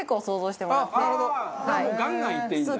じゃあガンガンいっていいんだ。